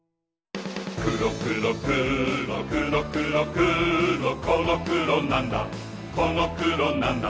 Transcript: くろくろくろくろくろくろこのくろなんだこのくろなんだ